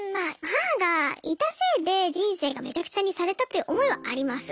母がいたせいで人生がめちゃくちゃにされたという思いはあります。